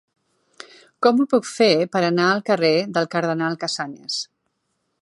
Com ho puc fer per anar al carrer del Cardenal Casañas?